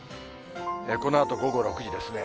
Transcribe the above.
このあと午後６時ですね。